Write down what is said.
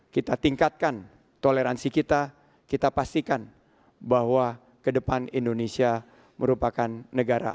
kita tingkatkan toleransi kita kita pastikan bahwa ke depan indonesia merupakan negara